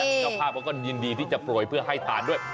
นี่แต่เจ้าพ่าก็ยินดีที่จะโปรดเพื่อให้ทานด้วย